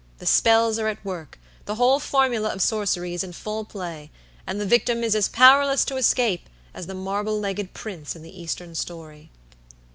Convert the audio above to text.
the spells are at work, the whole formula of sorcery is in full play, and the victim is as powerless to escape as the marble legged prince in the Eastern story."